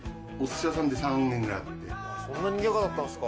そんなにぎやかだったんすか。